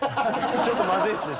ちょっとまずいですね。